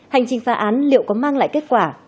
hành trình phá án liệu có mang lại kết quả